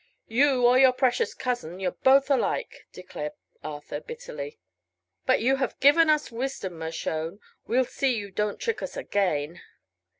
"You or your precious cousin you're both alike," declared Arthur, bitterly. "But you have given us wisdom, Mershone. We'll see you don't trick us again."